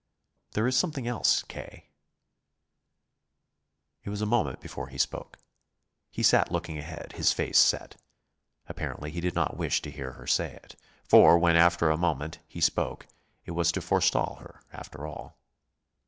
"There is something else, K." It was a moment before he spoke. He sat looking ahead, his face set. Apparently he did not wish to hear her say it; for when, after a moment, he spoke, it was to forestall her, after all.